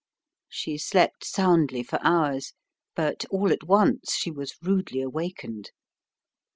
She slept soundly for hours, but all at once she was rudely awakened.